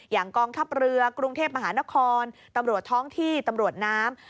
กองทัพเรือกรุงเทพมหานครตำรวจท้องที่ตำรวจน้ำ